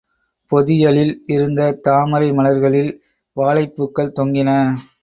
பொதியலில் இருந்த தாமரை மலர்களில் வாழைப் பூக்கள் தொங்கின.